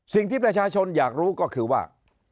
สิ่งที่ประชาชนอยากรู้ก็คือว่า